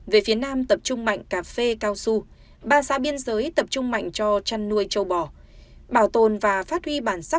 về phía nam tập trung mạnh cà phê cao su ba xã biên giới tập trung mạnh cho chăn nuôi châu bò